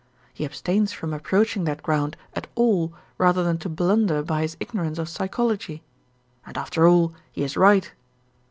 He abstains from approaching that ground at all rather than to blunder by his ignorance of psychology. And after all, he is right.